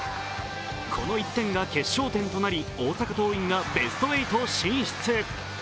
この１点が決勝点となり大阪桐蔭がベスト８進出。